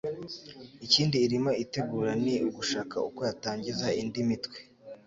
Ikindi irimo itegura ni ugushaka uko yatangiza indi mitwe